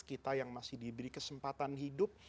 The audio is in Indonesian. kita yang masih diberi kesempatan hidup